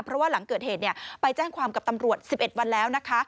เพราะว่าหลังเกิดเหตุไปแจ้งความกับตำรวจ๑๑วันแล้วนะคะ